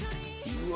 うわ。